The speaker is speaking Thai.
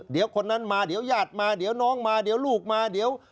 เดี๋ยวคนนั้นมาเดี๋ยวญาติมาเดี๋ยวน้องมาเดี๋ยวลูกมาเดี๋ยว